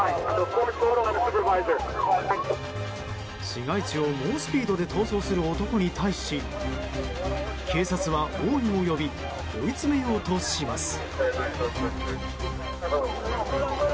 市街地を猛スピードで逃走する男に対し警察は応援を呼び追い詰めようとします。